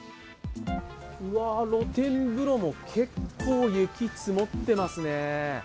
露天風呂も結構雪、積もってますね。